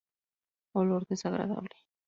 Olor desagradable.